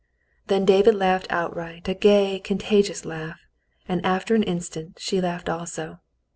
Then David laughed outright, a gay, contagious laugh, and after an instant she laughed also.